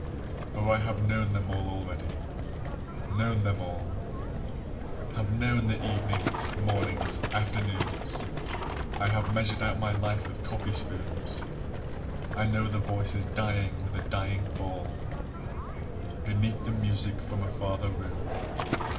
For I have known them all already, known them all: Have known the evenings, mornings, afternoons, I have measured out my life with coffee spoons; I know the voices dying with a dying fall Beneath the music from a farther room.